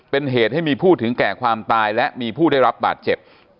เป็นเหตุให้มีผู้ถึงแก่ความตายและมีผู้ได้รับบาดเจ็บ